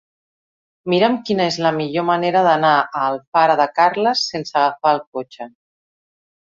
Mira'm quina és la millor manera d'anar a Alfara de Carles sense agafar el cotxe.